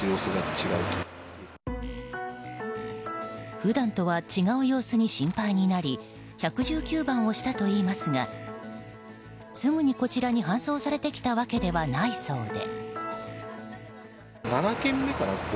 普段とは違う様子に心配になり１１９番をしたといいますがすぐにこちらに搬送されてきたわけではないそうで。